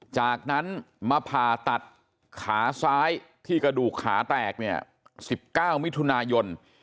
จากนั้นมาผ่าตัดขาซ้ายที่กระดูกขาแตกเนี่ย๑๙มิถุนายน